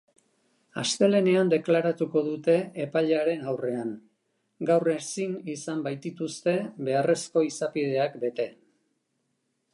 Astelehenean deklaratuko dute epailearen aurrean, gaur ezin izan baitituzte beharrezko izapideak bete.